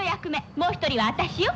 もう１人は私よ。